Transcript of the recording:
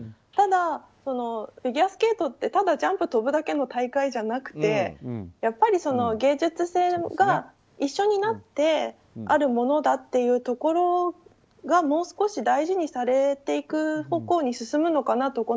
ただ、フィギュアスケートってただジャンプを跳ぶだけの大会じゃなくてやっぱり芸術性が一緒になってあるものだというところがもう少し大事にされていく方向に進むのかなと。